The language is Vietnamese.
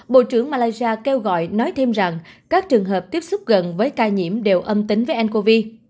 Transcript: bộ trưởng malaysia kêu gọi nói thêm rằng các trường hợp tiếp xúc gần với ca nhiễm đều âm tính với ncov